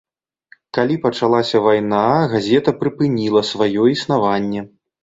Калі пачалася вайна, газета прыпыніла сваё існаванне.